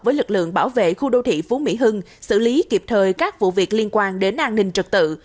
với lực lượng bảo vệ khu đô thị phú mỹ hưng xử lý kịp thời các vụ việc liên quan đến an ninh trật tự